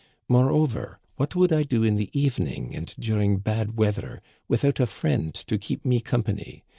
Moreover, what would I do in the evening and during bad weath er, without a friend to keep me company